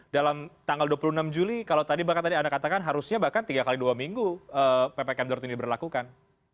dalam tanggal dua puluh enam juli kalau tadi anda katakan bahkan harusnya bahkan tiga kali dua minggu ppkm dortini berlakukan